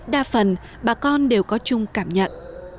đa phần bà con đều có chung cảm nhận